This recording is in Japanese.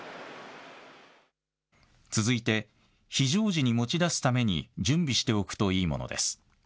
続いて非常時に持ち出すために準備しておくといいものです。